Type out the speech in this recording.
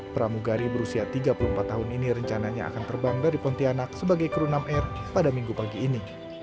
pramugari berusia tiga puluh empat tahun ini rencananya akan terbang dari pontianak sebagai kru enam r pada minggu pagi ini